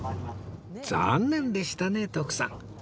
残念でしたね徳さん